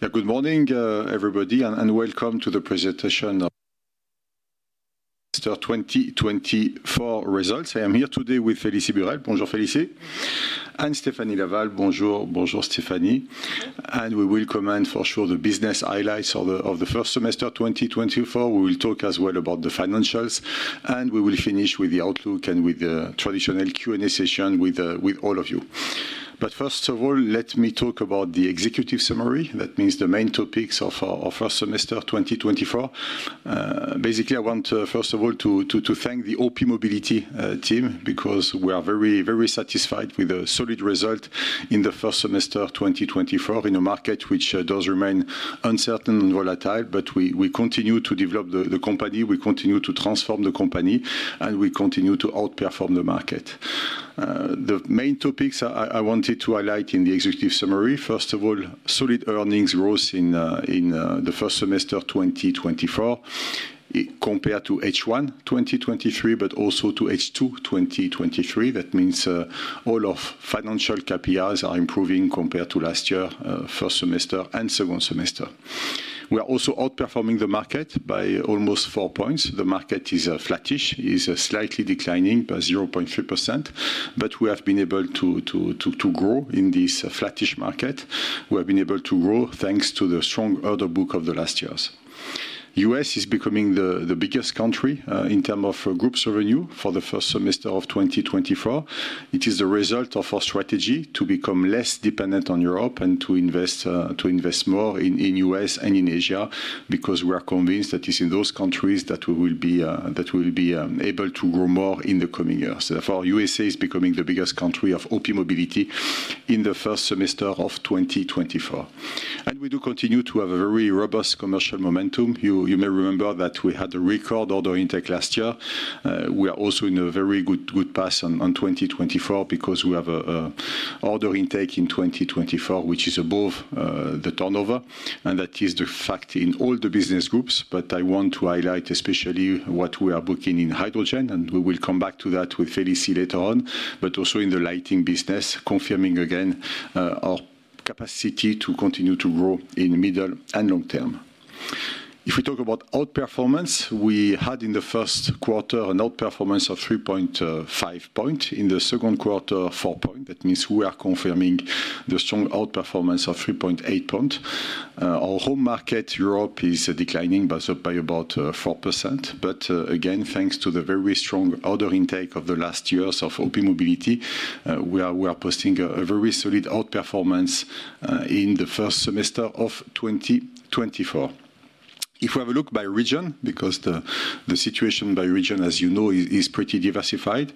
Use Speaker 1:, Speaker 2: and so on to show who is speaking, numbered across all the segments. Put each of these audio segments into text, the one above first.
Speaker 1: Good morning, everybody, and welcome to the presentation of the 2024 results. I am here today with Félicie Burelle. Bonjour, Félicie. And Stéphanie Laval, bonjour, bonjour, Stéphanie. And we will comment, for sure, on the business highlights of the first semester 2024. We will talk as well about the financials, and we will finish with the outlook and with the traditional Q&A session with all of you. But first of all, let me talk about the executive summary. That means the main topics of our first semester 2024. Basically, I want, first of all, to thank the OPmobility team because we are very satisfied with the solid result in the first semester 2024 in a market which does remain uncertain and volatile, but we continue to develop the company, we continue to transform the company, and we continue to outperform the market. The main topics I wanted to highlight in the executive summary, first of all, solid earnings growth in the first semester 2024 compared to H1 2023, but also to H2 2023. That means all of financial KPIs are improving compared to last year, first semester and second semester. We are also outperforming the market by almost four points. The market is flattish, is slightly declining by 0.3%, but we have been able to grow in this flattish market. We have been able to grow thanks to the strong order book of the last years. The U.S. is becoming the biggest country in terms of group revenue for the first semester of 2024. It is the result of our strategy to become less dependent on Europe and to invest more in the US and in Asia because we are convinced that it is in those countries that we will be able to grow more in the coming years. Therefore, the USA is becoming the biggest country of OPmobility in the first semester of 2024. And we do continue to have a very robust commercial momentum. You may remember that we had a record order intake last year. We are also in a very good pace on 2024 because we have an order intake in 2024 which is above the turnover. And that is the fact in all the business groups. But I want to highlight especially what we are booking in hydrogen, and we will come back to that with Félicie later on, but also in the lighting business, confirming again our capacity to continue to grow in the middle and long term. If we talk about outperformance, we had in the Q1 an outperformance of 3.5 points. In the Q2, 4 points. That means we are confirming the strong outperformance of 3.8 points. Our home market, Europe, is declining by about 4%. But again, thanks to the very strong order intake of the last years of OPmobility, we are posting a very solid outperformance in the first semester of 2024. If we have a look by region, because the situation by region, as you know, is pretty diversified,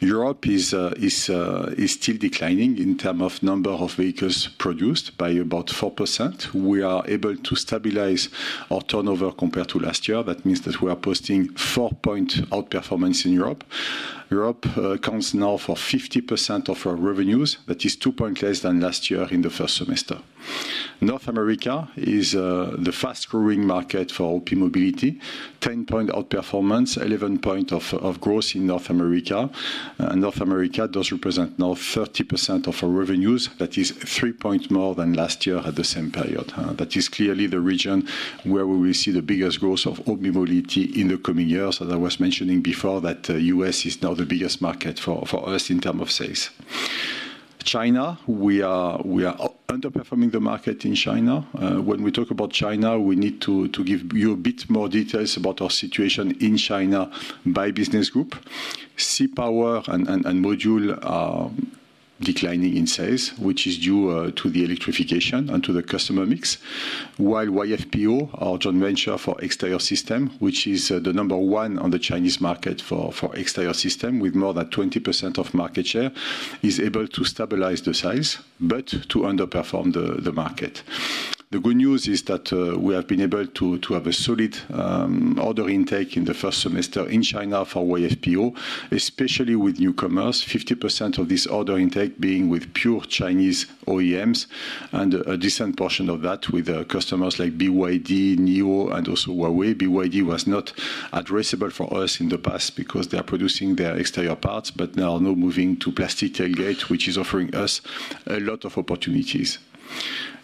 Speaker 1: Europe is still declining in terms of number of vehicles produced by about 4%. We are able to stabilize our turnover compared to last year. That means that we are posting 4-point outperformance in Europe. Europe accounts now for 50% of our revenues. That is 2 points less than last year in the first semester. North America is the fast-growing market for OPmobility. 10-point outperformance, 11-point of growth in North America. North America does represent now 30% of our revenues. That is 3 points more than last year at the same period. That is clearly the region where we will see the biggest growth of OPmobility in the coming years. As I was mentioning before, that the US is now the biggest market for us in terms of sales. China, we are underperforming the market in China. When we talk about China, we need to give you a bit more details about our situation in China by business group. ICE Power and Modules are declining in sales, which is due to the electrification and to the customer mix. While YFPO, our joint venture for exterior system, which is the number one on the Chinese market for exterior system with more than 20% of market share, is able to stabilize the sales but to underperform the market. The good news is that we have been able to have a solid order intake in the first semester in China for YFPO, especially with newcomers, 50% of this order intake being with pure Chinese OEMs and a decent portion of that with customers like BYD, NIO, and also Huawei. BYD was not addressable for us in the past because they are producing their exterior parts, but now moving to plastic tailgate, which is offering us a lot of opportunities.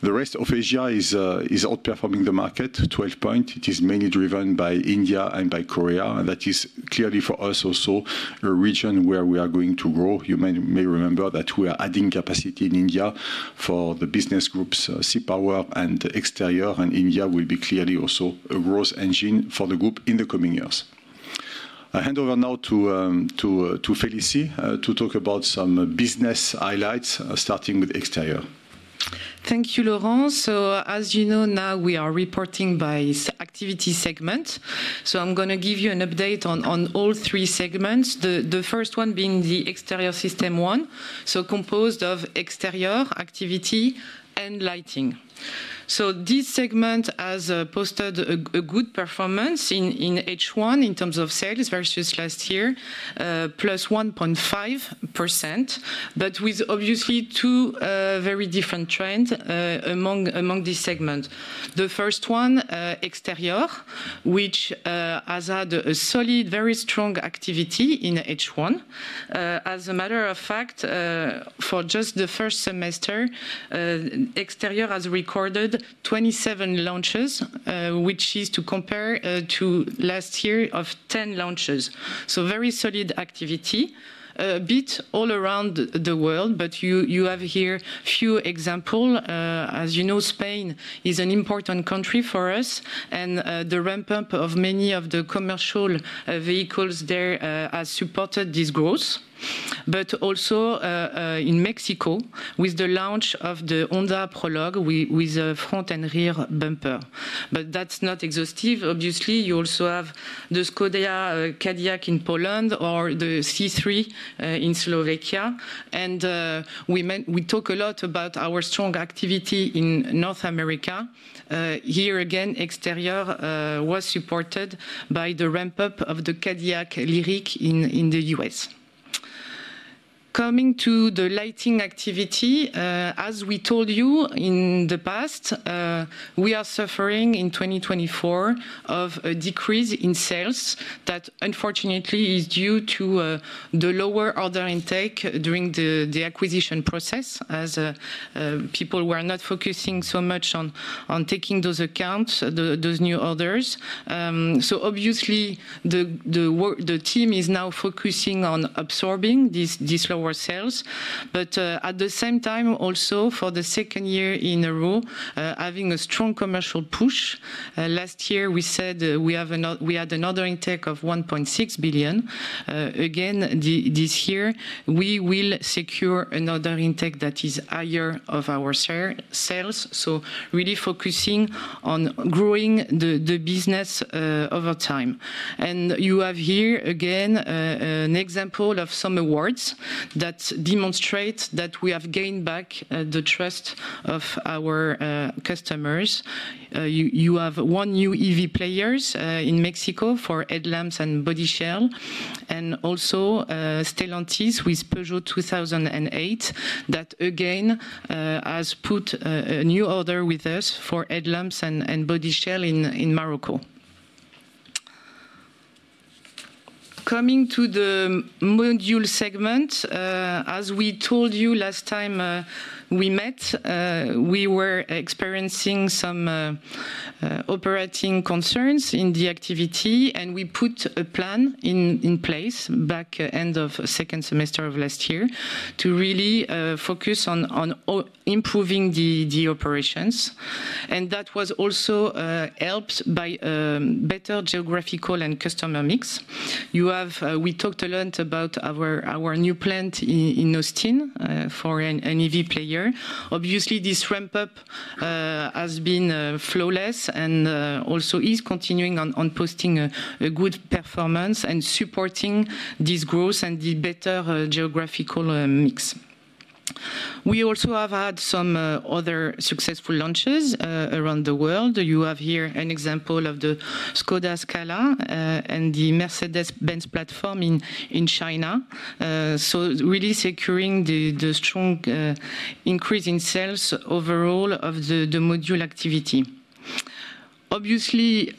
Speaker 1: The rest of Asia is outperforming the market, 12 points. It is mainly driven by India and by Korea. That is clearly for us also a region where we are going to grow. You may remember that we are adding capacity in India for the business groups, E-Power and Exterior, and India will be clearly also a growth engine for the group in the coming years. I hand over now to Félicie to talk about some business highlights, starting with Exterior.
Speaker 2: Thank you, Laurent. So, as you know, now we are reporting by activity segment. So I'm going to give you an update on all three segments, the first one being the exterior system one, so composed of exterior, activity, and lighting. So this segment has posted a good performance in H1 in terms of sales versus last year, plus 1.5%, but with obviously two very different trends among these segments. The first one, exterior, which has had a solid, very strong activity in H1. As a matter of fact, for just the first semester, exterior has recorded 27 launches, which is to compare to last year of 10 launches. So very solid activity, a bit all around the world, but you have here a few examples. As you know, Spain is an important country for us, and the ramp-up of many of the commercial vehicles there has supported this growth. But also in Mexico, with the launch of the Honda Prologue with front and rear bumper. But that's not exhaustive. Obviously, you also have the Škoda Kodiaq in Poland or the C3 in Slovakia. And we talk a lot about our strong activity in North America. Here again, exterior was supported by the ramp-up of the Cadillac LYRIQ in the U.S. Coming to the lighting activity, as we told you in the past, we are suffering in 2024 of a decrease in sales that unfortunately is due to the lower order intake during the acquisition process, as people were not focusing so much on taking those accounts, those new orders. So obviously, the team is now focusing on absorbing these lower sales, but at the same time, also for the second year in a row, having a strong commercial push. Last year, we said we had an order intake of 1.6 billion. Again, this year, we will secure an order intake that is higher of our sales, so really focusing on growing the business over time. You have here again an example of some awards that demonstrate that we have gained back the trust of our customers. You have one new EV player in Mexico for headlamps and body shell, and also Stellantis with Peugeot 2008 that again has put a new order with us for headlamps and body shell in Morocco. Coming to the module segment, as we told you last time we met, we were experiencing some operating concerns in the activity, and we put a plan in place back at the end of the second semester of last year to really focus on improving the operations. That was also helped by a better geographical and customer mix. We talked a lot about our new plant in Austin for an EV player. Obviously, this ramp-up has been flawless and also is continuing on posting a good performance and supporting this growth and the better geographical mix. We also have had some other successful launches around the world. You have here an example of the Škoda Scala and the Mercedes-Benz platform in China, so really securing the strong increase in sales overall of the module activity. Obviously,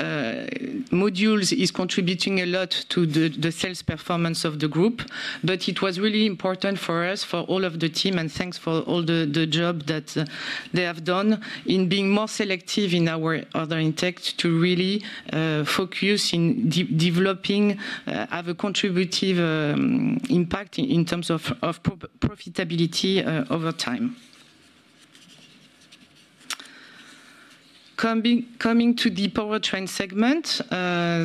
Speaker 2: modules is contributing a lot to the sales performance of the group, but it was really important for us, for all of the team, and thanks for all the job that they have done in being more selective in our order intake to really focus in developing a contributive impact in terms of profitability over time. Coming to the powertrain segment,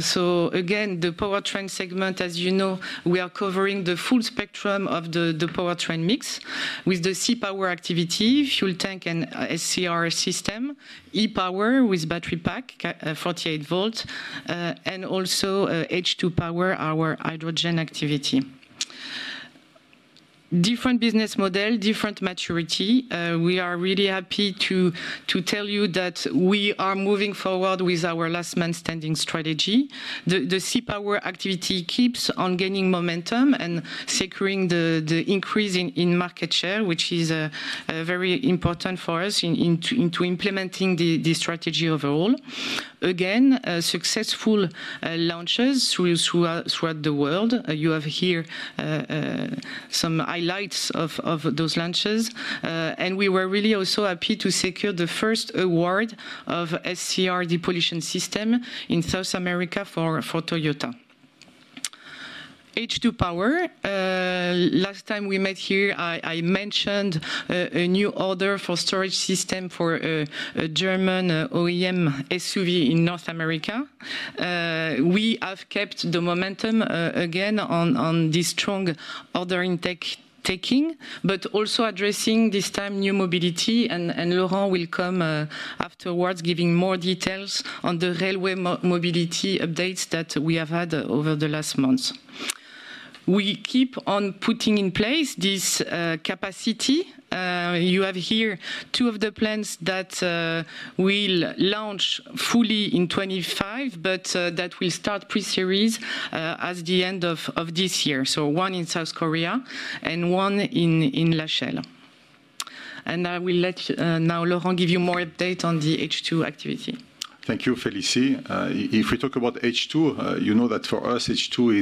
Speaker 2: so again, the powertrain segment, as you know, we are covering the full spectrum of the powertrain mix with the ICE Power activity, fuel tank and SCR system, E-Power with 48-volt battery pack, and also H2 Power, our hydrogen activity. Different business model, different maturity. We are really happy to tell you that we are moving forward with our last-man-standing strategy. The ICE Power activity keeps on gaining momentum and securing the increase in market share, which is very important for us in implementing the strategy overall. Again, successful launches throughout the world. You have here some highlights of those launches. And we were really also happy to secure the first award of SCR depollution system in South America for Toyota. H2 Power, last time we met here, I mentioned a new order for storage system for a German OEM SUV in North America. We have kept the momentum again on this strong order intake, but also addressing this time new mobility. Laurent will come afterwards giving more details on the railway mobility updates that we have had over the last months. We keep on putting in place this capacity. You have here two of the plants that will launch fully in 2025, but that will start pre-series at the end of this year, so one in South Korea and one in La Rochelle. I will now let Laurent give you more update on the H2 activity.
Speaker 1: Thank you, Félicie. If we talk about H2, you know that for us, H2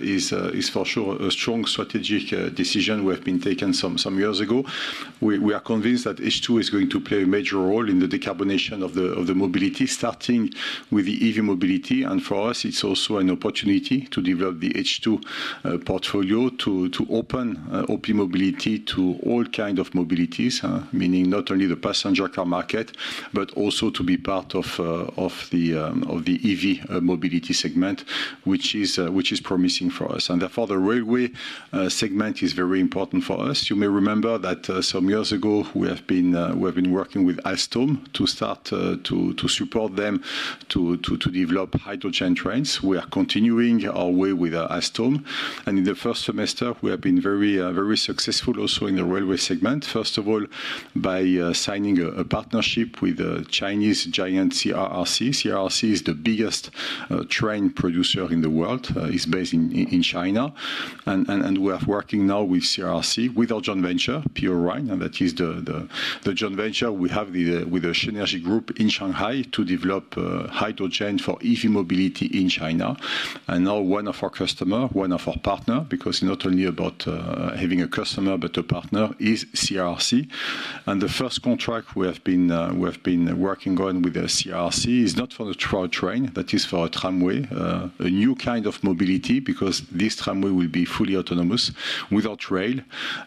Speaker 1: is for sure a strong strategic decision we have been taking some years ago. We are convinced that H2 is going to play a major role in the decarbonation of the mobility, starting with the EV mobility. And for us, it's also an opportunity to develop the H2 portfolio to open OPmobility to all kinds of mobilities, meaning not only the passenger car market, but also to be part of the EV mobility segment, which is promising for us. And therefore, the railway segment is very important for us. You may remember that some years ago, we have been working with Alstom to start to support them to develop hydrogen trains. We are continuing our way with Alstom. In the first semester, we have been very successful also in the railway segment, first of all, by signing a partnership with the Chinese giant CRRC. CRRC is the biggest train producer in the world. It's based in China. We are working now with CRRC, with our joint venture, Pureride. That is the joint venture we have with the Shenergy Group in Shanghai to develop hydrogen for EV mobility in China. Now one of our customers, one of our partners, because it's not only about having a customer, but a partner, is CRRC. The first contract we have been working on with CRRC is not for the train. That is for a tramway, a new kind of mobility, because this tramway will be fully autonomous without rail.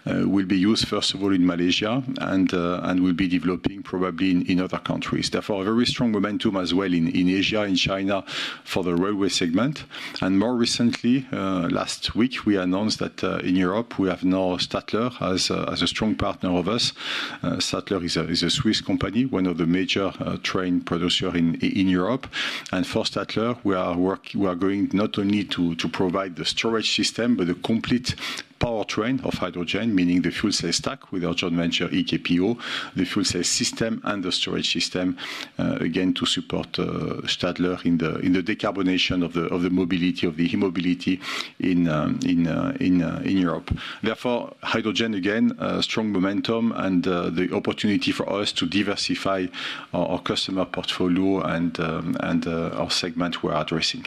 Speaker 1: It will be used, first of all, in Malaysia and will be developing probably in other countries. Therefore, a very strong momentum as well in Asia and China for the railway segment. And more recently, last week, we announced that in Europe, we have now Stadler as a strong partner of us. Stadler is a Swiss company, one of the major train producers in Europe. And for Stadler, we are going not only to provide the storage system, but the complete powertrain of hydrogen, meaning the fuel cell stack with our joint venture, EKPO, the fuel cell system and the storage system, again, to support Stadler in the decarbonation of the mobility of the EV mobility in Europe. Therefore, hydrogen, again, strong momentum and the opportunity for us to diversify our customer portfolio and our segment we're addressing.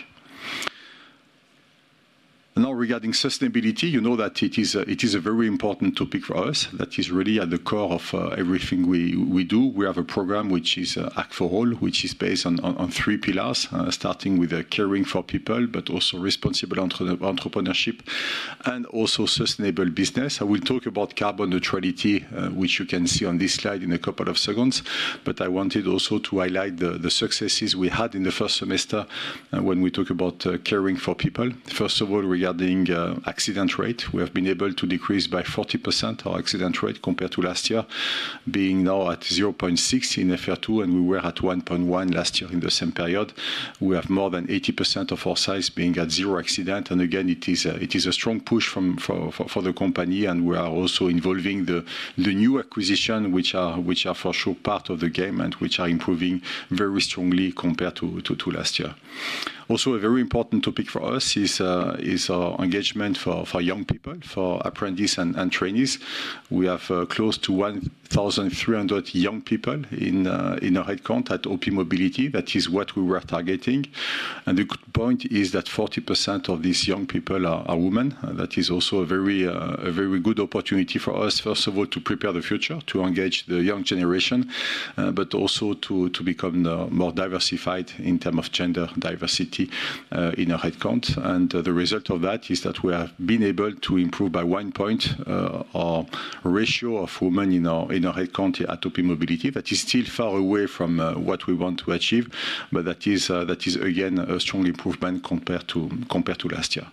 Speaker 1: Now, regarding sustainability, you know that it is a very important topic for us. That is really at the core of everything we do. We have a program, which is ACT4ALL, which is based on three pillars, starting with caring for people, but also responsible entrepreneurship, and also sustainable business. I will talk about carbon neutrality, which you can see on this slide in a couple of seconds. I wanted also to highlight the successes we had in the first semester when we talk about caring for people. First of all, regarding accident rate, we have been able to decrease by 40% our accident rate compared to last year, being now at 0.6 in FR2, and we were at 1.1 last year in the same period. We have more than 80% of our sites being at zero accident. Again, it is a strong push for the company. We are also involving the new acquisition, which are for sure part of the game and which are improving very strongly compared to last year. Also, a very important topic for us is our engagement for young people, for apprentices and trainees. We have close to 1,300 young people in our headcount at OPmobility. That is what we were targeting. The good point is that 40% of these young people are women. That is also a very good opportunity for us, first of all, to prepare the future, to engage the young generation, but also to become more diversified in terms of gender diversity in our headcount. The result of that is that we have been able to improve by 1 point our ratio of women in our headcount at OPmobility. That is still far away from what we want to achieve, but that is, again, a strong improvement compared to last year.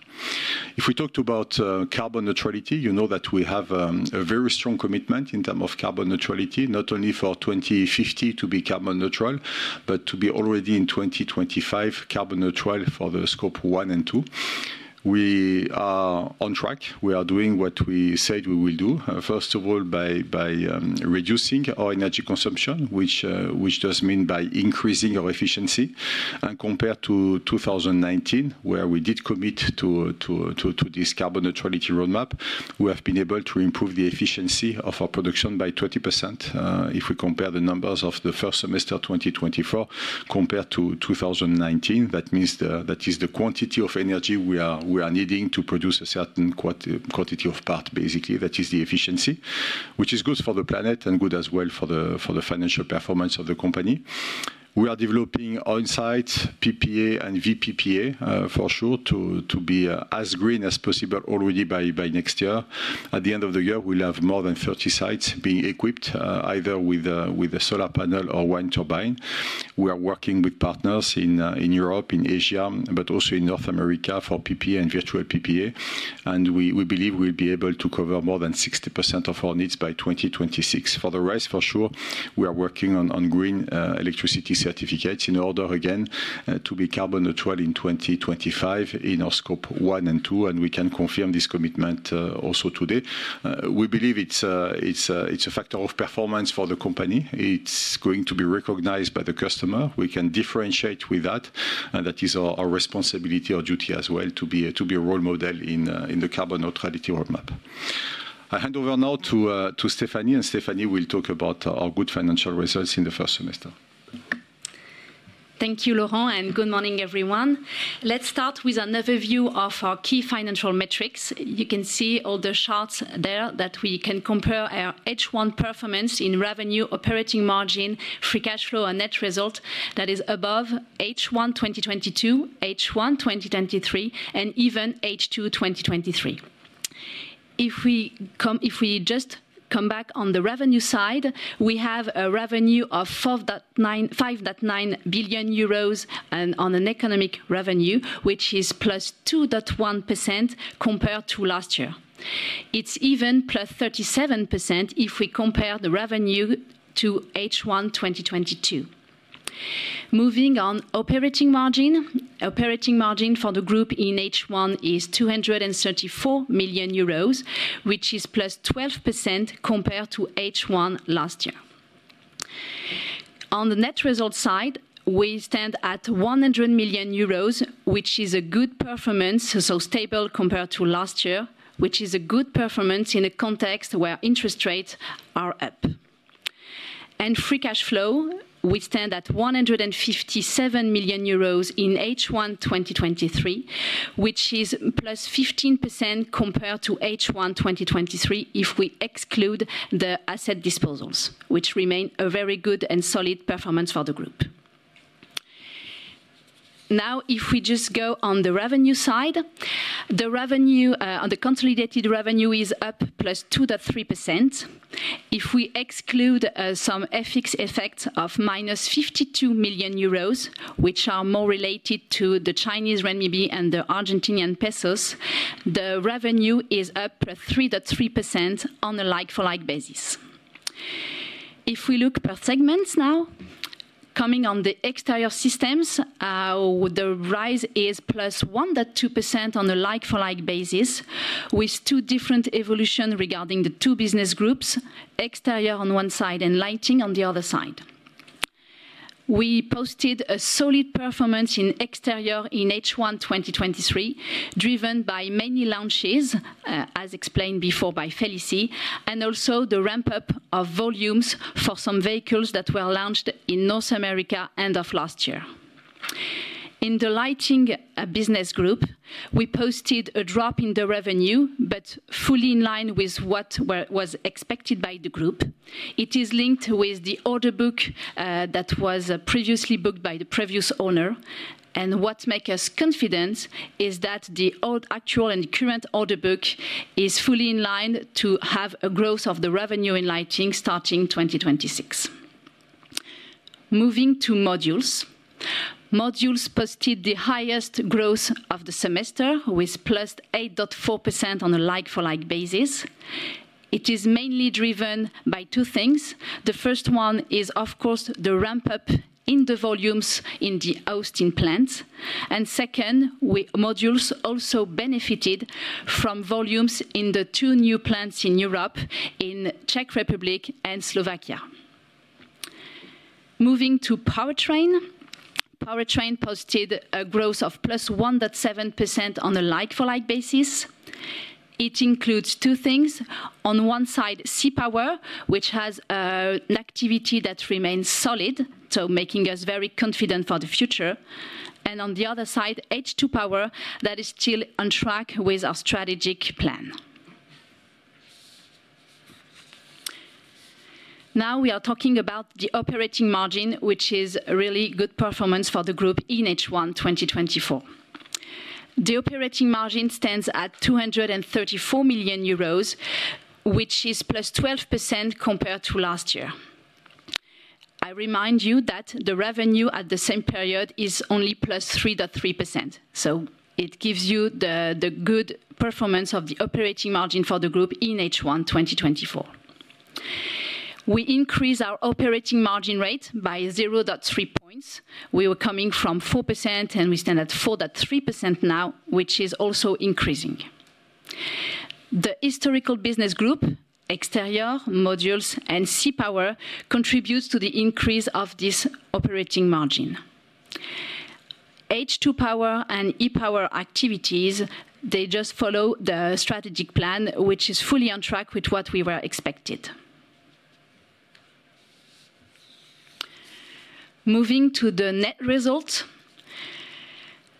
Speaker 1: If we talk about Carbon neutrality, you know that we have a very strong commitment in terms of Carbon neutrality, not only for 2050 to be carbon neutral, but to be already in 2025 carbon neutral for the Scope 1 and Scope 2. We are on track. We are doing what we said we will do, first of all, by reducing our energy consumption, which does mean by increasing our efficiency. And compared to 2019, where we did commit to this Carbon neutrality roadmap, we have been able to improve the efficiency of our production by 20%. If we compare the numbers of the first semester 2024 compared to 2019, that means that is the quantity of energy we are needing to produce a certain quantity of part, basically. That is the efficiency, which is good for the planet and good as well for the financial performance of the company. We are developing on-site PPA and VPPA for sure to be as green as possible already by next year. At the end of the year, we'll have more than 30 sites being equipped either with a solar panel or wind turbine. We are working with partners in Europe, in Asia, but also in North America for PPA and virtual PPA. And we believe we'll be able to cover more than 60% of our needs by 2026. For the rest, for sure, we are working on green electricity certificates in order, again, to be carbon neutral in 2025 in our Scope 1 and 2. And we can confirm this commitment also today. We believe it's a factor of performance for the company. It's going to be recognized by the customer. We can differentiate with that. That is our responsibility, our duty as well, to be a role model in the carbon neutrality roadmap. I hand over now to Stéphanie, and Stéphanie will talk about our good financial results in the first semester.
Speaker 3: Thank you, Laurent, and good morning, everyone. Let's start with an overview of our key financial metrics. You can see all the charts there that we can compare our H1 performance in revenue, operating margin, free cash flow, and net result that is above H1 2022, H1 2023, and even H2 2023. If we just come back on the revenue side, we have a revenue of 5.9 billion euros on an economic revenue, which is plus 2.1% compared to last year. It's even plus 37% if we compare the revenue to H1 2022. Moving on, operating margin. Operating margin for the group in H1 is 234 million euros, which is plus 12% compared to H1 last year. On the net result side, we stand at 100 million euros, which is a good performance, so stable compared to last year, which is a good performance in a context where interest rates are up. Free cash flow, we stand at 157 million euros in H1 2023, which is +15% compared to H1 2023 if we exclude the asset disposals, which remain a very good and solid performance for the group. Now, if we just go on the revenue side, the revenue, the consolidated revenue is up +2.3%. If we exclude some FX effects of 52 million euros, which are more related to the Chinese renminbi and the Argentine pesos, the revenue is up +3.3% on a like-for-like basis. If we look per segments now, coming on the exterior systems, the rise is +1.2% on a like-for-like basis, with two different evolutions regarding the two business groups, exterior on one side and lighting on the other side. We posted a solid performance in exteriors in H1 2023, driven by many launches, as explained before by Félicie, and also the ramp-up of volumes for some vehicles that were launched in North America end of last year. In the lighting business group, we posted a drop in the revenue, but fully in line with what was expected by the group. It is linked with the order book that was previously booked by the previous owner. What makes us confident is that the actual and current order book is fully in line to have a growth of the revenue in lighting starting 2026. Moving to modules. Modules posted the highest growth of the semester, with +8.4% on a like-for-like basis. It is mainly driven by two things. The first one is, of course, the ramp-up in the volumes in the Austin plants. Second, modules also benefited from volumes in the two new plants in Europe, in Czech Republic and Slovakia. Moving to powertrain, powertrain posted a growth of +1.7% on a like-for-like basis. It includes two things. On one side, E-Power, which has an activity that remains solid, so making us very confident for the future. And on the other side, H2 Power, that is still on track with our strategic plan. Now we are talking about the operating margin, which is really good performance for the group in H1 2024. The operating margin stands at 234 million euros, which is +12% compared to last year. I remind you that the revenue at the same period is only +3.3%. So it gives you the good performance of the operating margin for the group in H1 2024. We increased our operating margin rate by 0.3 points. We were coming from 4%, and we stand at 4.3% now, which is also increasing. The historical business group, exteriors, modules, and ICE Power contribute to the increase of this operating margin. H2 Power and E-Power activities, they just follow the strategic plan, which is fully on track with what we were expected. Moving to the net result,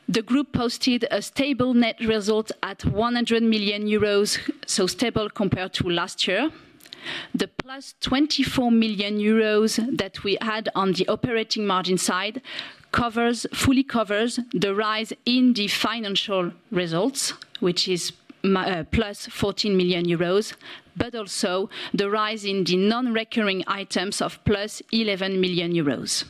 Speaker 3: the group posted a stable net result at 100 million euros, so stable compared to last year. The plus 24 million euros that we had on the operating margin side fully covers the rise in the financial results, which is plus 14 million euros, but also the rise in the non-recurring items of plus 11 million euros. The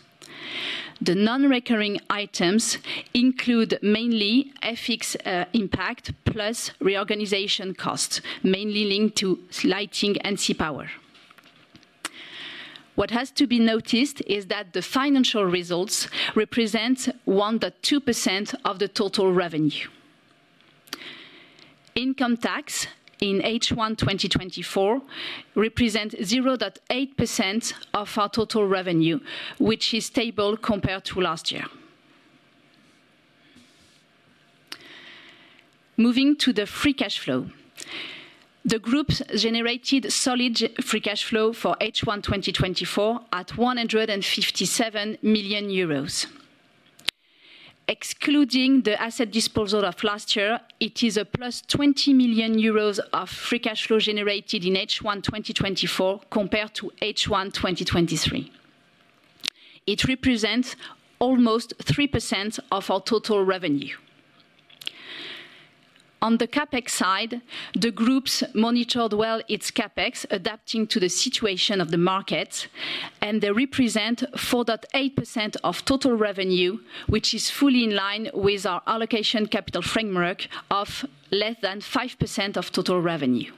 Speaker 3: non-recurring items include mainly FX impact plus reorganization costs, mainly linked to lighting and ICE Power. What has to be noticed is that the financial results represent 1.2% of the total revenue. Income tax in H1 2024 represents 0.8% of our total revenue, which is stable compared to last year. Moving to the free cash flow, the group generated solid free cash flow for H1 2024 at 157 million euros. Excluding the asset disposal of last year, it is a plus 20 million euros of free cash flow generated in H1 2024 compared to H1 2023. It represents almost 3% of our total revenue. On the CapEx side, the group monitored well its CapEx, adapting to the situation of the market, and it represents 4.8% of total revenue, which is fully in line with our capital allocation framework of less than 5% of total revenue.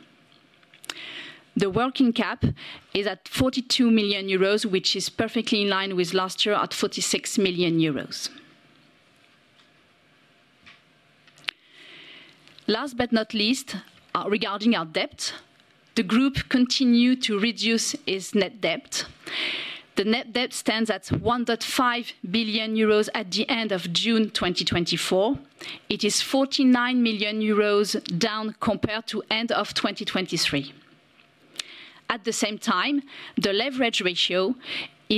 Speaker 3: The working cap is at 42 million euros, which is perfectly in line with last year at 46 million euros. Last but not least, regarding our debt, the group continued to reduce its net debt. The net debt stands at 1.5 billion euros at the end of June 2024. It is 49 million euros down compared to end of 2023. At the same time, the leverage ratio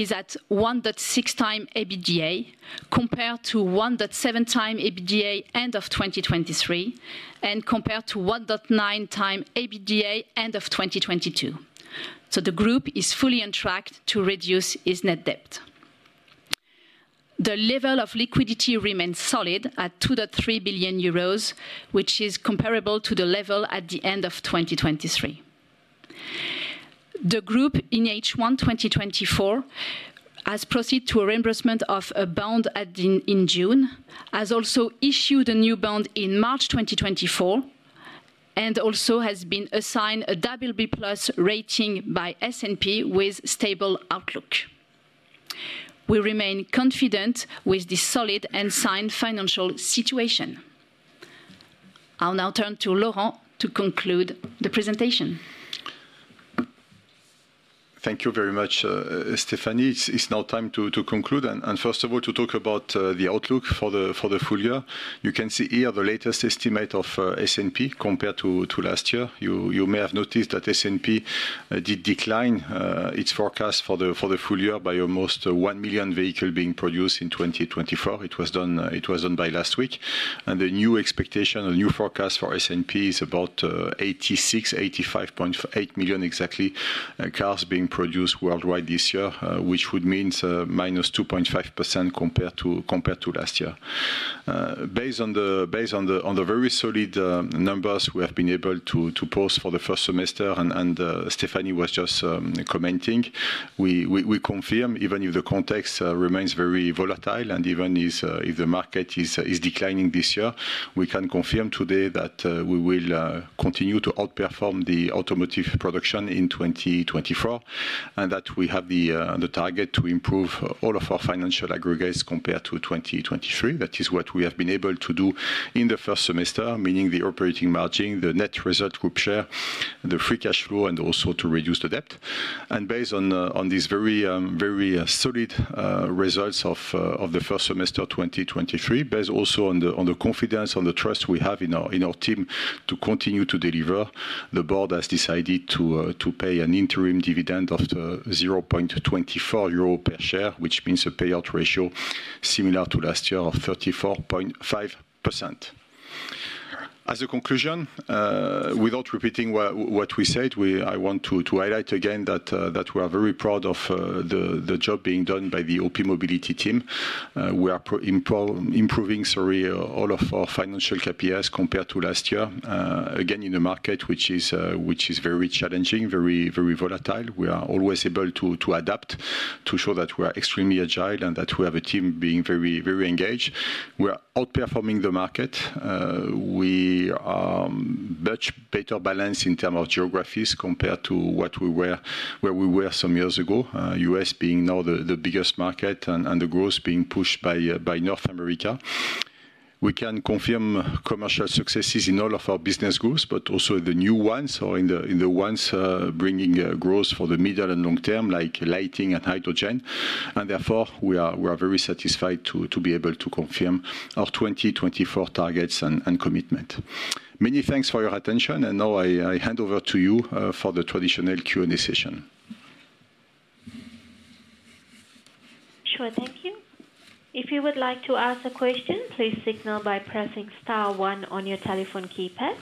Speaker 3: is at 1.6 times EBITDA compared to 1.7 times EBITDA end of 2023 and compared to 1.9 times EBITDA end of 2022. The group is fully on track to reduce its net debt. The level of liquidity remains solid at 2.3 billion euros, which is comparable to the level at the end of 2023. The group in H1 2024 has proceeded to a reimbursement of a bond in June, has also issued a new bond in March 2024, and also has been assigned a BBB+ rating by S&P with stable outlook. We remain confident with the solid and sound financial situation. I'll now turn to Laurent to conclude the presentation.
Speaker 1: Thank you very much, Stéphanie. It's now time to conclude. First of all, to talk about the outlook for the full year. You can see here the latest estimate of S&P compared to last year. You may have noticed that S&P did decline its forecast for the full year by almost 1 million vehicles being produced in 2024. It was done by last week. The new expectation, the new forecast for S&P is about 86, 85.8 million exactly cars being produced worldwide this year, which would mean -2.5% compared to last year. Based on the very solid numbers we have been able to post for the first semester, and Stéphanie was just commenting, we confirm, even if the context remains very volatile and even if the market is declining this year, we can confirm today that we will continue to outperform the automotive production in 2024 and that we have the target to improve all of our financial aggregates compared to 2023. That is what we have been able to do in the first semester, meaning the operating margin, the net result group share, the free cash flow, and also to reduce the debt. Based on these very solid results of the first semester 2024, based also on the confidence, on the trust we have in our team to continue to deliver, the board has decided to pay an interim dividend of 0.24 euro per share, which means a payout ratio similar to last year of 34.5%. As a conclusion, without repeating what we said, I want to highlight again that we are very proud of the job being done by the OPmobility team. We are improving all of our financial KPIs compared to last year, again in a market which is very challenging, very volatile. We are always able to adapt to show that we are extremely agile and that we have a team being very engaged. We are outperforming the market. We are much better balanced in terms of geographies compared to where we were some years ago, U.S. being now the biggest market and the growth being pushed by North America. We can confirm commercial successes in all of our business groups, but also the new ones or in the ones bringing growth for the middle and long term, like lighting and hydrogen. And therefore, we are very satisfied to be able to confirm our 2024 targets and commitment. Many thanks for your attention, and now I hand over to you for the traditional Q&A session.
Speaker 4: Sure, thank you. If you would like to ask a question, please signal by pressing star one on your telephone keypad.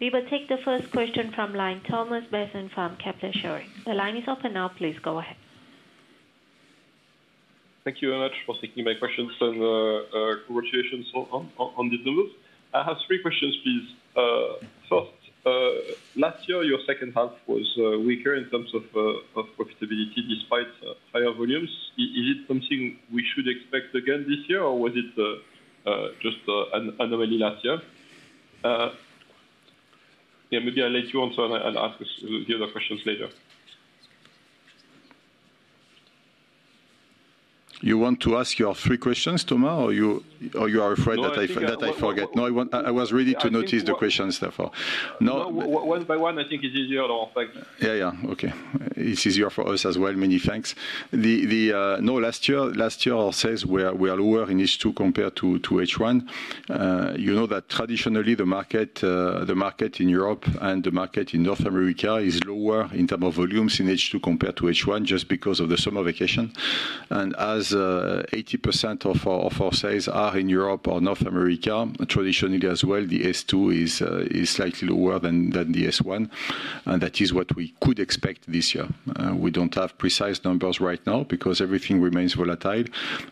Speaker 4: We will take the first question from line Thomas Besson from Kepler Cheuvreux. The line is open now. Please go ahead.
Speaker 5: Thank you very much for taking my questions and congratulations on these numbers. I have three questions, please. First, last year, your second half was weaker in terms of profitability despite higher volumes. Is it something we should expect again this year, or was it just an anomaly last year? Maybe I'll let you answer, and I'll ask the other questions later.
Speaker 1: You want to ask your three questions, Thomas, or you are afraid that I forget? No, I was ready to notice the questions, therefore.
Speaker 5: One by one, I think it's easier, Laurent. Thanks.
Speaker 1: Yeah, yeah. Okay. It's easier for us as well. Many thanks. No, last year, our sales were lower in H2 compared to H1. You know that traditionally, the market in Europe and the market in North America is lower in terms of volumes in H2 compared to H1 just because of the summer vacation. And as 80% of our sales are in Europe or North America, traditionally as well, the S2 is slightly lower than the S1. And that is what we could expect this year. We don't have precise numbers right now because everything remains volatile,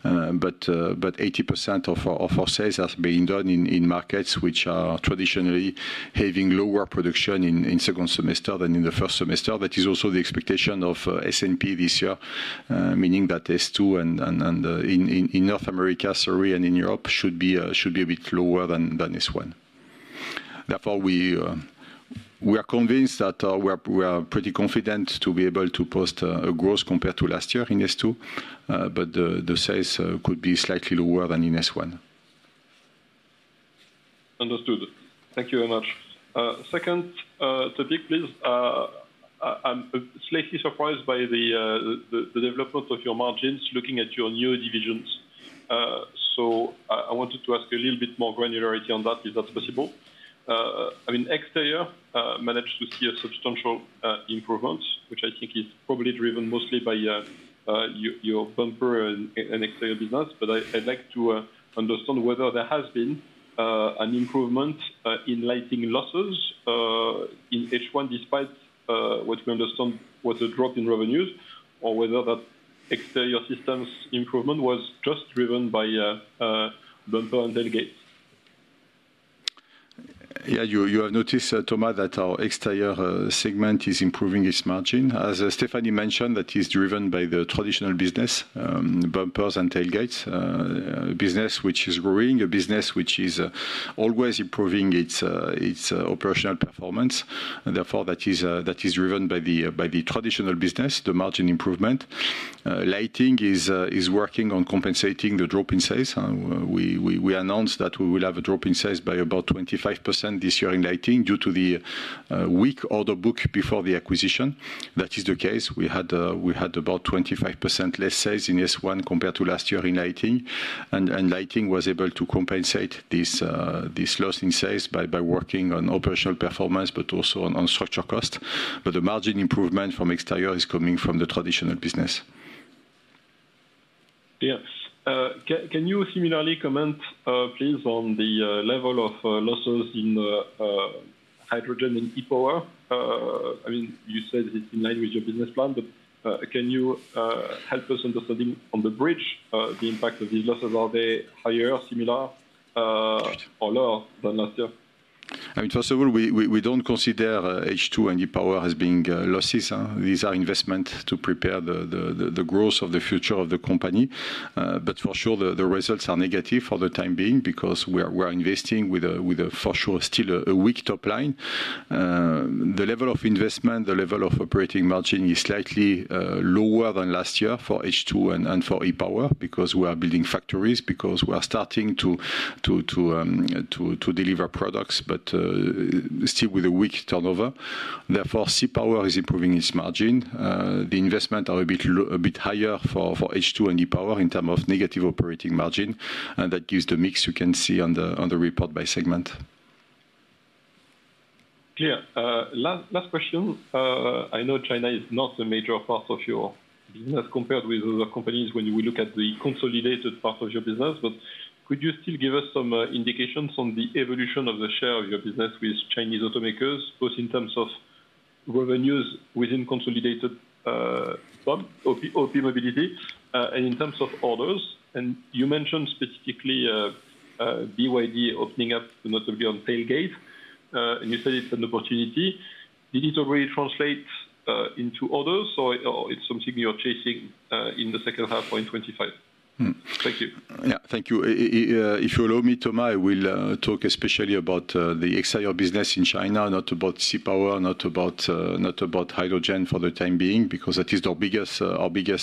Speaker 1: but 80% of our sales have been done in markets which are traditionally having lower production in second semester than in the first semester. That is also the expectation of S&P this year, meaning that S2 and in North America, sorry, and in Europe should be a bit lower than S1. Therefore, we are convinced that we are pretty confident to be able to post a growth compared to last year in S2, but the sales could be slightly lower than in S1.
Speaker 5: Understood. Thank you very much. Second topic, please. I'm slightly surprised by the development of your margins looking at your new divisions. So I wanted to ask a little bit more granularity on that, if that's possible. I mean, exterior managed to see a substantial improvement, which I think is probably driven mostly by your bumper and exterior business. But I'd like to understand whether there has been an improvement in lighting losses in H1 despite what we understand was a drop in revenues, or whether that exterior systems improvement was just driven by bumper and tailgates.
Speaker 1: Yeah, you have noticed, Thomas, that our exterior segment is improving its margin. As Stéphanie mentioned, that is driven by the traditional business, bumpers and tailgates business, which is growing, a business which is always improving its operational performance. Therefore, that is driven by the traditional business, the margin improvement. Lighting is working on compensating the drop in sales. We announced that we will have a drop in sales by about 25% this year in lighting due to the weak order book before the acquisition. That is the case. We had about 25% less sales in S1 compared to last year in lighting. And lighting was able to compensate this loss in sales by working on operational performance, but also on structure cost. But the margin improvement from exterior is coming from the traditional business.
Speaker 5: Yes. Can you similarly comment, please, on the level of losses in hydrogen and E-Power? I mean, you said it's in line with your business plan, but can you help us understand on the bridge the impact of these losses? Are they higher, similar, or lower than last year?
Speaker 1: I mean, first of all, we don't consider H2 and E-Power as being losses. These are investments to prepare the growth of the future of the company. But for sure, the results are negative for the time being because we are investing with, for sure, still a weak top line. The level of investment, the level of operating margin is slightly lower than last year for H2 and for E-Power because we are building factories, because we are starting to deliver products, but still with a weak turnover. Therefore, C-Power is improving its margin. The investments are a bit higher for H2 and E-Power in terms of negative operating margin. And that gives the mix you can see on the report by segment.
Speaker 5: Clear. Last question. I know China is not a major part of your business compared with other companies when we look at the consolidated part of your business, but could you still give us some indications on the evolution of the share of your business with Chinese automakers, both in terms of revenues within consolidated OPmobility and in terms of orders? And you mentioned specifically BYD opening up, notably on tailgates, and you said it's an opportunity. Did it already translate into orders, or it's something you're chasing in the second half or in 2025? Thank you.
Speaker 1: Yeah, thank you. If you allow me, Thomas, I will talk especially about the exterior business in China, not about C-Power, not about hydrogen for the time being, because that is our biggest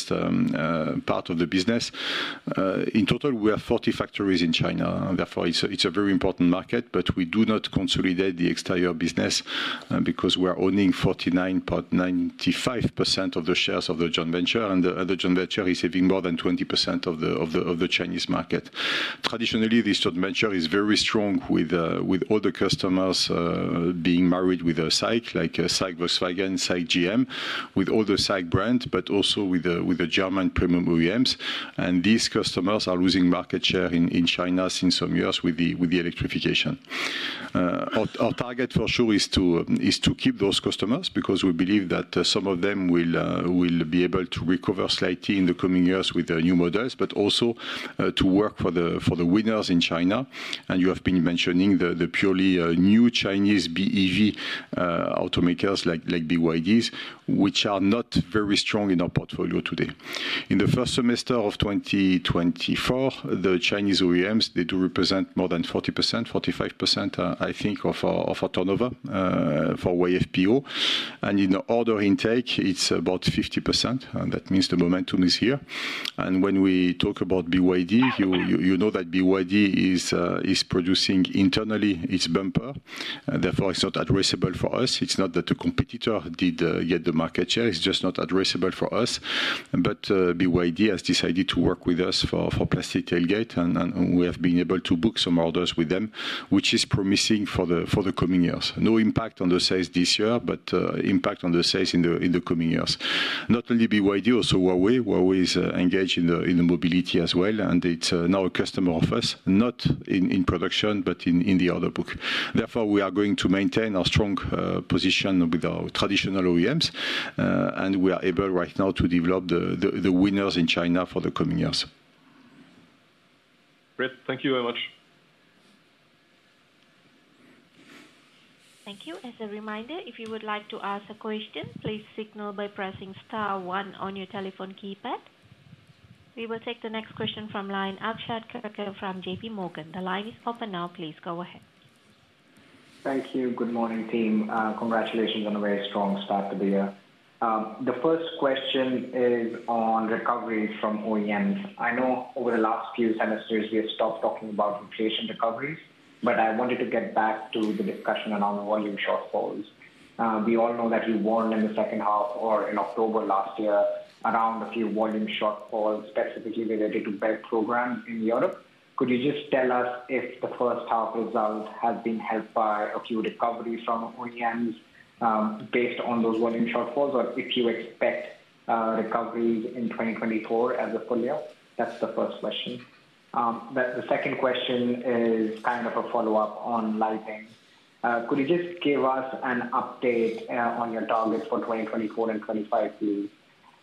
Speaker 1: part of the business. In total, we have 40 factories in China. Therefore, it's a very important market, but we do not consolidate the exterior business because we are owning 49.95% of the shares of the joint venture, and the joint venture is having more than 20% of the Chinese market. Traditionally, this joint venture is very strong with other customers being married with a SAIC, like SAIC Volkswagen, SAIC GM, with other SAIC brands, but also with the German premium OEMs. These customers are losing market share in China since some years with the electrification. Our target, for sure, is to keep those customers because we believe that some of them will be able to recover slightly in the coming years with new models, but also to work for the winners in China. You have been mentioning the purely new Chinese BEV automakers like BYDs, which are not very strong in our portfolio today. In the first semester of 2024, the Chinese OEMs, they do represent more than 40%, 45%, I think, of our turnover for YFPO. And in order intake, it's about 50%. That means the momentum is here. And when we talk about BYD, you know that BYD is producing internally its bumper. Therefore, it's not addressable for us. It's not that the competitor did get the market share. It's just not addressable for us. But BYD has decided to work with us for plastic tailgate, and we have been able to book some orders with them, which is promising for the coming years. No impact on the sales this year, but impact on the sales in the coming years. Not only BYD, also Huawei. Huawei is engaged in the mobility as well, and it's now a customer of us, not in production, but in the order book. Therefore, we are going to maintain our strong position with our traditional OEMs, and we are able right now to develop the winners in China for the coming years.
Speaker 5: Great. Thank you very much.
Speaker 4: Thank you. As a reminder, if you would like to ask a question, please signal by pressing star one on your telephone keypad. We will take the next question from line Akshat Kacker from JPMorgan. The line is open now. Please go ahead.
Speaker 6: Thank you. Good morning, team. Congratulations on a very strong start to the year. The first question is on recovery from OEMs. I know over the last few semesters, we have stopped talking about inflation recoveries, but I wanted to get back to the discussion around volume shortfalls. We all know that we warned in the second half or in October last year around a few volume shortfalls specifically related to BEV programs in Europe. Could you just tell us if the first half result has been helped by a few recoveries from OEMs based on those volume shortfalls, or if you expect recoveries in 2024 as a full year? That's the first question. The second question is kind of a follow-up on lighting. Could you just give us an update on your targets for 2024 and 2025,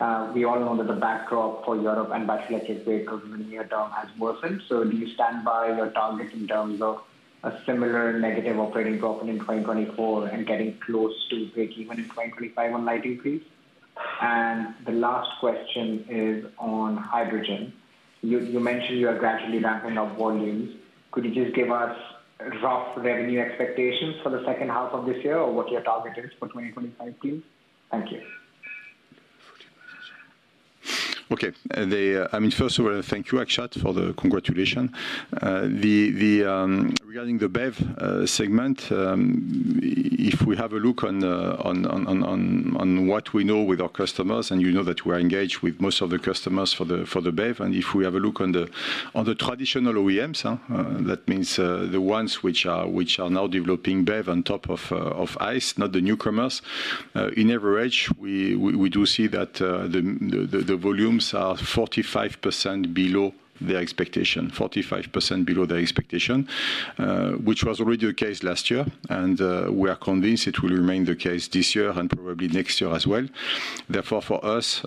Speaker 6: please? We all know that the backdrop for Europe and battery-electric vehicles in the near term has worsened. So do you stand by your targets in terms of a similar negative operating profit in 2024 and getting close to break-even in 2025 on lighting, please? And the last question is on hydrogen. You mentioned you are gradually ramping up volumes. Could you just give us rough revenue expectations for the second half of this year or what your target is for 2025, please? Thank you.
Speaker 1: Okay. I mean, first of all, thank you, Akshat, for the congratulations. Regarding the BEV segment, if we have a look on what we know with our customers, and you know that we are engaged with most of the customers for the BEV, and if we have a look on the traditional OEMs, that means the ones which are now developing BEV on top of ICE, not the newcomers, in average, we do see that the volumes are 45% below their expectation, 45% below their expectation, which was already the case last year. And we are convinced it will remain the case this year and probably next year as well. Therefore, for us,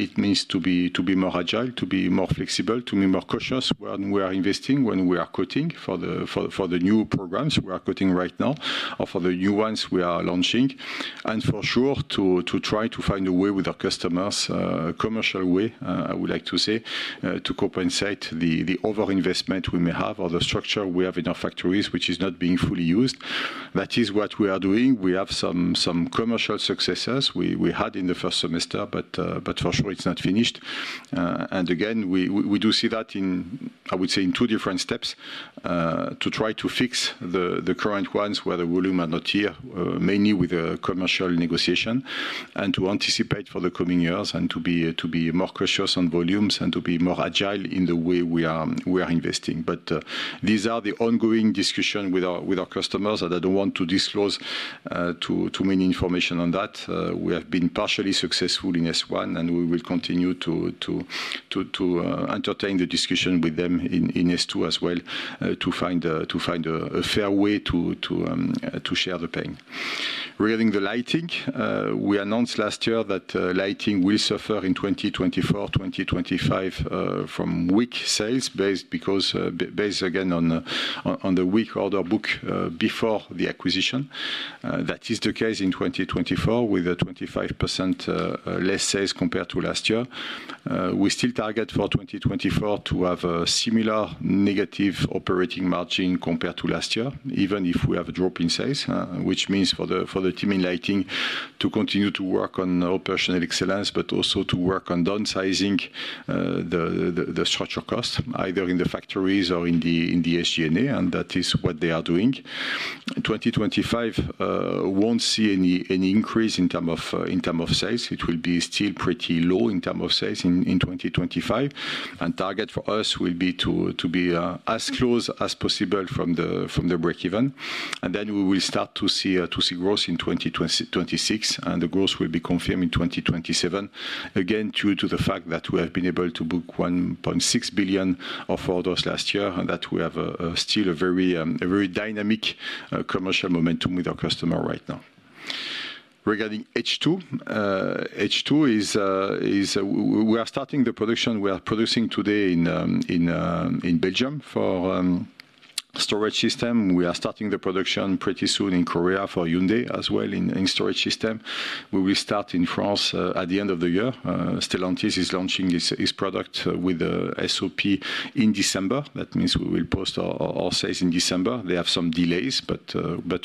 Speaker 1: it means to be more agile, to be more flexible, to be more cautious when we are investing, when we are cutting for the new programs we are cutting right now, or for the new ones we are launching. And for sure, to try to find a way with our customers, commercial way, I would like to say, to compensate the over-investment we may have or the structure we have in our factories, which is not being fully used. That is what we are doing. We have some commercial successes we had in the first semester, but for sure, it's not finished. Again, we do see that in, I would say, in two different steps to try to fix the current ones where the volume are not here, mainly with commercial negotiation, and to anticipate for the coming years and to be more cautious on volumes and to be more agile in the way we are investing. But these are the ongoing discussions with our customers, and I don't want to disclose too many information on that. We have been partially successful in S1, and we will continue to entertain the discussion with them in S2 as well to find a fair way to share the pain. Regarding the lighting, we announced last year that lighting will suffer in 2024, 2025 from weak sales based again on the weak order book before the acquisition. That is the case in 2024 with a 25% less sales compared to last year. We still target for 2024 to have a similar negative operating margin compared to last year, even if we have a drop in sales, which means for the team in lighting to continue to work on operational excellence, but also to work on downsizing the structure cost, either in the factories or in the SG&A, and that is what they are doing. 2025 won't see any increase in terms of sales. It will be still pretty low in terms of sales in 2025. Target for us will be to be as close as possible from the break-even. Then we will start to see growth in 2026, and the growth will be confirmed in 2027, again, due to the fact that we have been able to book 1.6 billion of orders last year and that we have still a very dynamic commercial momentum with our customer right now. Regarding H2, we are starting the production. We are producing today in Belgium for storage system. We are starting the production pretty soon in Korea for Hyundai as well in storage system. We will start in France at the end of the year. Stellantis is launching its product with SOP in December. That means we will post our sales in December. They have some delays, but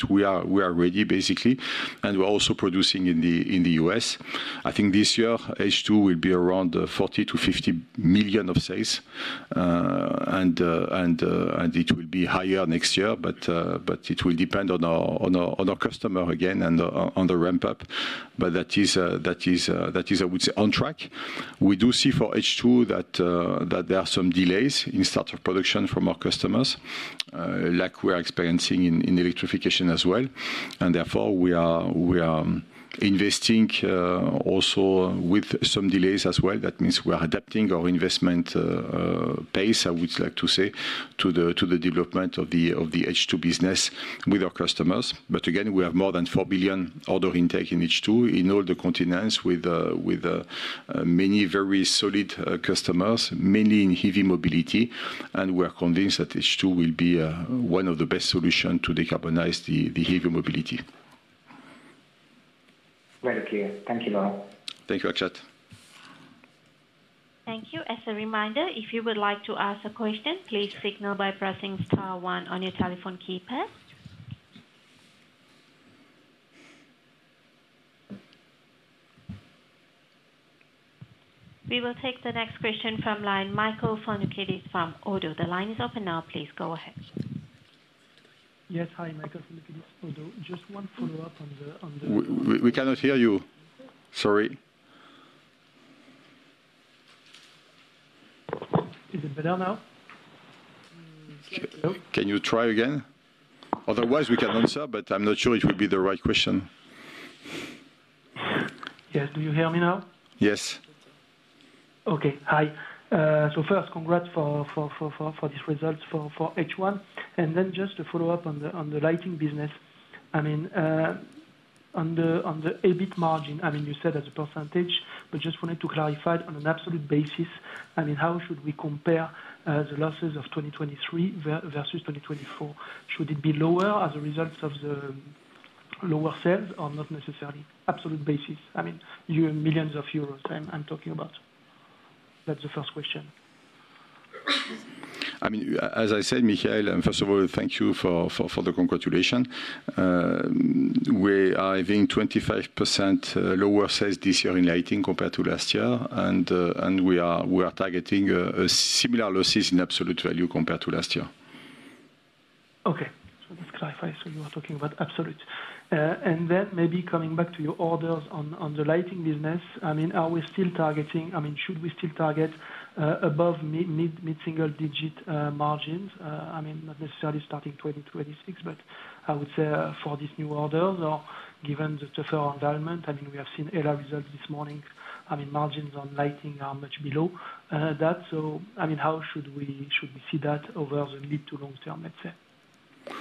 Speaker 1: we are ready, basically. And we're also producing in the U.S. I think this year, H2 will be around 40-50 million of sales, and it will be higher next year, but it will depend on our customer again and on the ramp-up. But that is, I would say, on track. We do see for H2 that there are some delays in start of production from our customers, like we are experiencing in electrification as well. Therefore, we are investing also with some delays as well. That means we are adapting our investment pace, I would like to say, to the development of the H2 business with our customers. But again, we have more than 4 billion order intake in H2 in all the continents with many very solid customers, mainly in heavy mobility. We are convinced that H2 will be one of the best solutions to decarbonize the heavy mobility.
Speaker 6: Very clear. Thank you, Laurent.
Speaker 1: Thank you, Akshat.
Speaker 4: Thank you. As a reminder, if you would like to ask a question, please signal by pressing star one on your telephone keypad. We will take the next question from line Michael Foundoukidis from ODDO BHF. The line is open now. Please go ahead.
Speaker 7: Yes. Hi, Michael Foundoukidis from ODDO BHF. Just one follow-up on the.
Speaker 1: We cannot hear you. Sorry.
Speaker 7: Is it better now?
Speaker 1: Can you try again? Otherwise, we can answer, but I'm not sure it will be the right question.
Speaker 7: Yes. Do you hear me now?
Speaker 1: Yes.
Speaker 7: Okay. Hi. So first, congrats for these results for H1. And then just to follow up on the lighting business. I mean, on the EBIT margin, I mean, you said as a percentage, but just wanted to clarify on an absolute basis. I mean, how should we compare the losses of 2023 versus 2024? Should it be lower as a result of the lower sales or not necessarily? Absolute basis. I mean, millions of euros I'm talking about. That's the first question.
Speaker 1: I mean, as I said, Michael, first of all, thank you for the congratulations. We are having 25% lower sales this year in lighting compared to last year, and we are targeting similar losses in absolute value compared to last year.
Speaker 7: Okay. So just clarify. So you are talking about absolute. And then maybe coming back to your orders on the lighting business, I mean, are we still targeting? I mean, should we still target above mid-single-digit margins? I mean, not necessarily starting 2026, but I would say for these new orders or given the tougher environment, I mean, we have seen ELA results this morning. I mean, margins on lighting are much below that. So I mean, how should we see that over the mid to long term, let's say?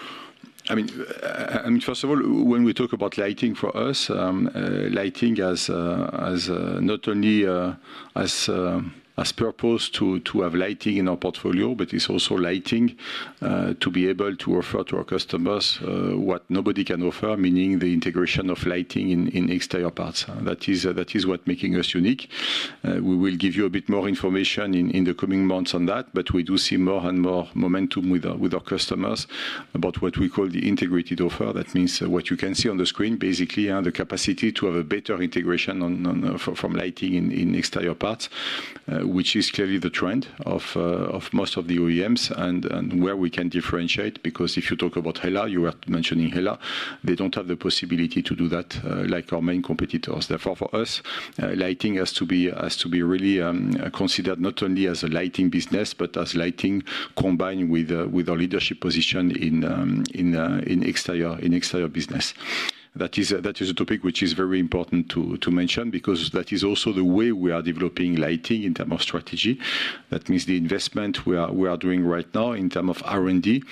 Speaker 1: I mean, first of all, when we talk about lighting for us, lighting has not only as purpose to have lighting in our portfolio, but it's also lighting to be able to offer to our customers what nobody can offer, meaning the integration of lighting in exterior parts. That is what making us unique. We will give you a bit more information in the coming months on that, but we do see more and more momentum with our customers about what we call the integrated offer. That means what you can see on the screen, basically, the capacity to have a better integration from lighting in exterior parts, which is clearly the trend of most of the OEMs and where we can differentiate because if you talk about HELA, you were mentioning HELA, they don't have the possibility to do that like our main competitors. Therefore, for us, lighting has to be really considered not only as a lighting business, but as lighting combined with our leadership position in exterior business. That is a topic which is very important to mention because that is also the way we are developing lighting in terms of strategy. That means the investment we are doing right now in terms of R&D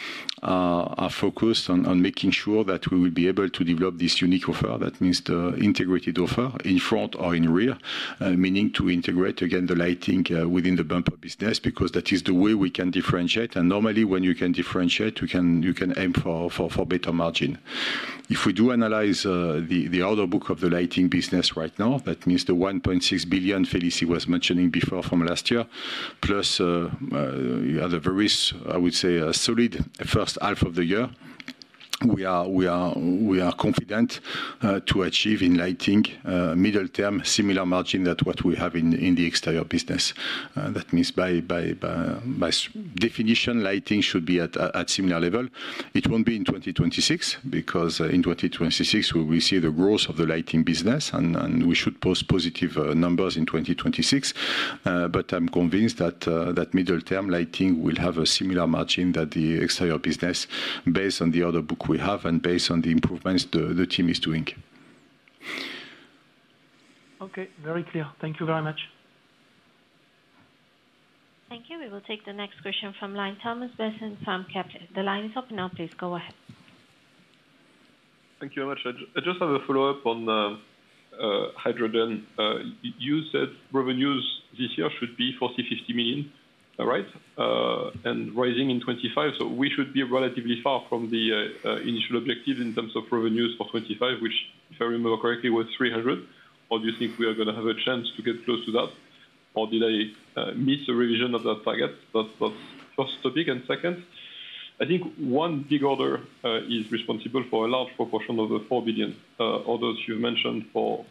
Speaker 1: are focused on making sure that we will be able to develop this unique offer. That means the integrated offer in front or in rear, meaning to integrate, again, the lighting within the bumper business because that is the way we can differentiate. Normally, when you can differentiate, you can aim for better margin. If we do analyze the order book of the lighting business right now, that means the 1.6 billion Félicie was mentioning before from last year, plus the various, I would say, solid first half of the year, we are confident to achieve in lighting middle-term similar margin than what we have in the exterior business. That means by definition, lighting should be at similar level. It won't be in 2026 because in 2026, we will see the growth of the lighting business, and we should post positive numbers in 2026. But I'm convinced that middle-term lighting will have a similar margin than the exterior business based on the order book we have and based on the improvements the team is doing.
Speaker 7: Okay. Very clear. Thank you very much.
Speaker 4: Thank you. We will take the next question from line Thomas Besson from Kepler Cheuvreux. The line is open now. Please go ahead.
Speaker 5: Thank you very much. I just have a follow-up on hydrogen. You said revenues this year should be 40-50 million, right? And rising in 2025. So we should be relatively far from the initial objective in terms of revenues for 2025, which, if I remember correctly, was 300 million. Or do you think we are going to have a chance to get close to that? Or did I miss a revision of that target? That's the first topic. And second, I think one big order is responsible for a large proportion of the 4 billion orders you've mentioned for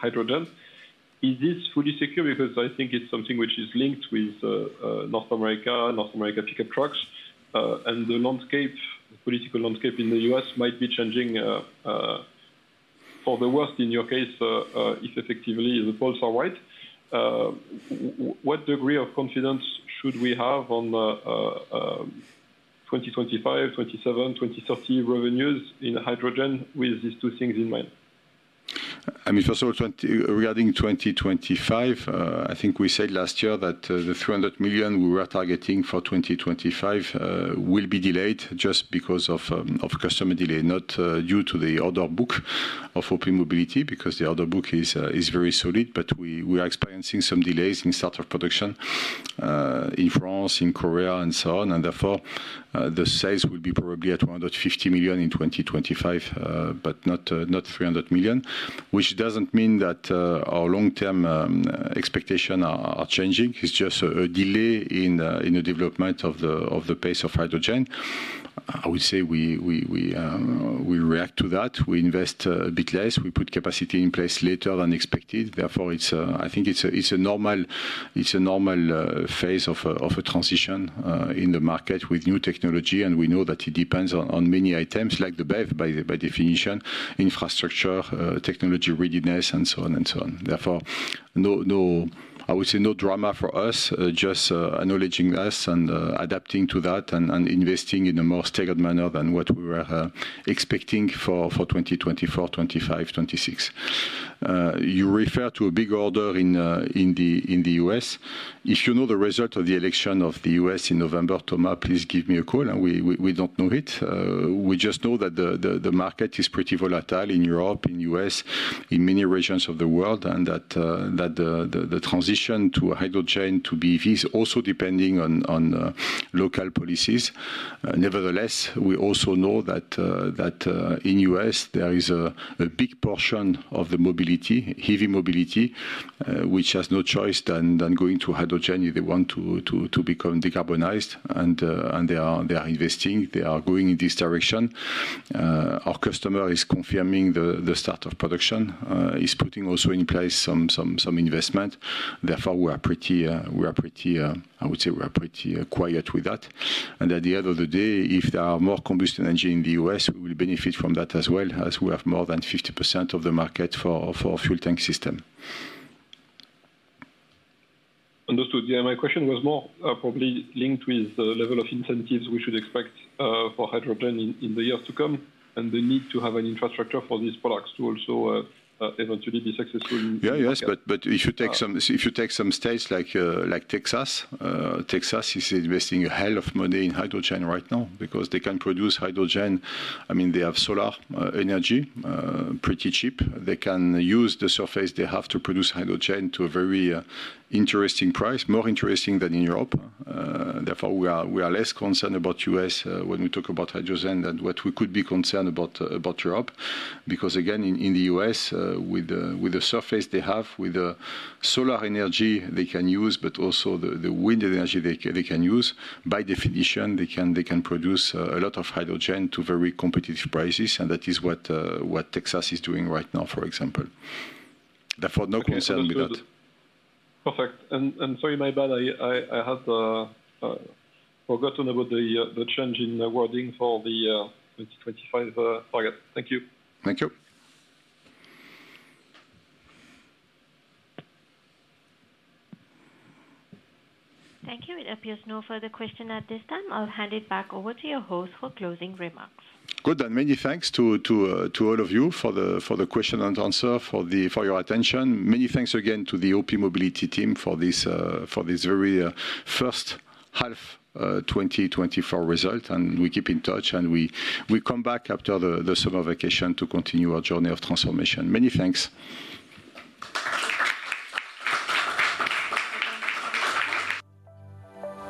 Speaker 5: hydrogen. Is this fully secure? Because I think it's something which is linked with North America, North America pickup trucks, and the political landscape in the U.S. might be changing for the worst in your case if effectively the polls are right. What degree of confidence should we have on 2025, 2027, 2030 revenues in hydrogen with these two things in mind?
Speaker 1: I mean, first of all, regarding 2025, I think we said last year that the 300 million we were targeting for 2025 will be delayed just because of customer delay, not due to the order book of OPmobility because the order book is very solid, but we are experiencing some delays in start of production in France, in Korea, and so on. And therefore, the sales will be probably at 150 million in 2025, but not 300 million, which doesn't mean that our long-term expectations are changing. It's just a delay in the development of the pace of hydrogen. I would say we react to that. We invest a bit less. We put capacity in place later than expected. Therefore, I think it's a normal phase of a transition in the market with new technology, and we know that it depends on many items like the BEV by definition, infrastructure, technology readiness, and so on and so on. Therefore, I would say no drama for us, just acknowledging us and adapting to that and investing in a more staged manner than what we were expecting for 2024, 2025, 2026. You refer to a big order in the U.S. If you know the result of the election of the U.S. in November, Thomas, please give me a call. We don't know it. We just know that the market is pretty volatile in Europe, in the U.S., in many regions of the world, and that the transition to hydrogen to be also depending on local policies. Nevertheless, we also know that in the U.S., there is a big portion of the mobility, heavy mobility, which has no choice than going to hydrogen if they want to become decarbonized. They are investing. They are going in this direction. Our customer is confirming the start of production, is putting also in place some investment. Therefore, we are pretty, I would say we are pretty quiet with that. At the end of the day, if there are more combustion engines in the U.S., we will benefit from that as well, as we have more than 50% of the market for fuel tank system.
Speaker 5: Understood. Yeah. My question was more probably linked with the level of incentives we should expect for hydrogen in the years to come and the need to have an infrastructure for these products to also eventually be successful in?
Speaker 1: Yeah, yes, but if you take some states like Texas, Texas is investing a hell of money in hydrogen right now because they can produce hydrogen. I mean, they have solar energy, pretty cheap. They can use the surface they have to produce hydrogen to a very interesting price, more interesting than in Europe. Therefore, we are less concerned about the U.S. when we talk about hydrogen than what we could be concerned about Europe. Because again, in the U.S., with the surface they have, with the solar energy they can use, but also the wind energy they can use, by definition, they can produce a lot of hydrogen to very competitive prices. And that is what Texas is doing right now, for example. Therefore, no concern with that.
Speaker 5: Understood. Perfect. And sorry, my bad. I had forgotten about the change in the wording for the 2025 target. Thank you.
Speaker 1: Thank you.
Speaker 4: Thank you. It appears no further question at this time. I'll hand it back over to your host for closing remarks.
Speaker 1: Good. Many thanks to all of you for the question and answer, for your attention. Many thanks again to the OPmobility team for this very first-half 2024 result. We keep in touch, and we come back after the summer vacation to continue our journey of transformation. Many thanks.